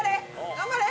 頑張れ！